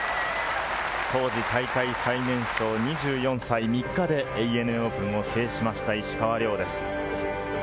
当時、大会最年少２４歳３日でＡＮＡオープンを制しました、石川遼です。